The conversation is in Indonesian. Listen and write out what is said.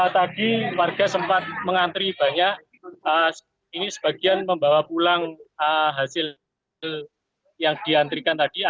tadi warga sempat mengantri banyak ini sebagian membawa pulang hasil yang diantrikan tadi